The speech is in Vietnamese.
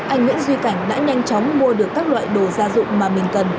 anh nguyễn duy cảnh đã nhanh chóng mua được các loại đồ gia dụng mà mình cần